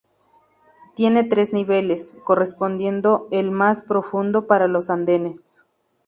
Tiene tres niveles, correspondiendo el más profundo para los andenes.